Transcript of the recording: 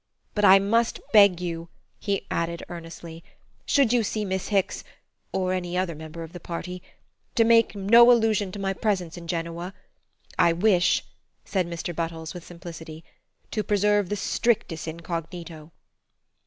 But I must beg you," he added earnestly, "should you see Miss Hicks or any other member of the party to make no allusion to my presence in Genoa. I wish," said Mr. Buttles with simplicity, "to preserve the strictest incognito."